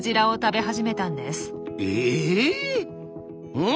うん？